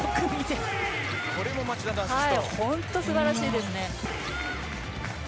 本当に素晴らしいですね。